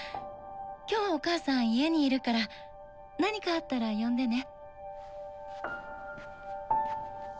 今日はお母さん家にいるから何かあったら呼んでね。